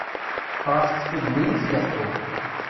Ɣef tfednin i tleḥḥu.